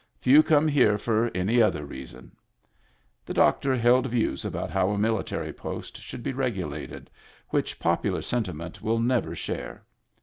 Few come here for any other reason." The doctor held views about how a military post should be regulated, which popular sentiment will never share.